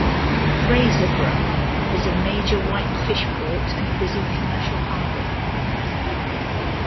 Fraserburgh is a major white fish port and busy commercial harbour.